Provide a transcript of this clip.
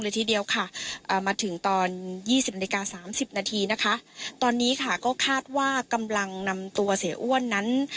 ทีเดียวค่ะมาถึงตอนยี่สิบนาฬิกาสามสิบนาทีนะคะตอนนี้ค่ะก็คาดว่ากำลังนำตัวเสียอ้วนนั้น